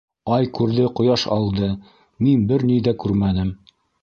- Ай күрҙе, ҡояш алды, мин бер ни ҙә күрмәнем...